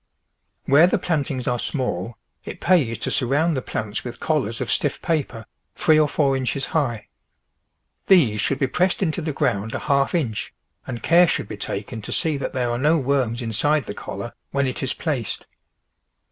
Where the plantings are small, it pays to sur round the plants with collars of stiff paper, three or four inches high. These should be pressed into the ground a half inch, and care should be taken to see that there are no worms inside the collar when it is placed.